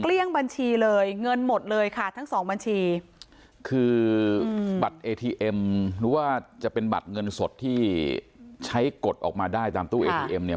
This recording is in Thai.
บัญชีเลยเงินหมดเลยค่ะทั้งสองบัญชีคือบัตรเอทีเอ็มหรือว่าจะเป็นบัตรเงินสดที่ใช้กดออกมาได้ตามตู้เอทีเอ็มเนี่ย